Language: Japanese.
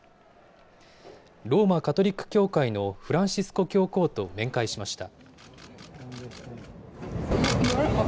ローマ・カトリック教会のフランシスコ教皇と面会しました。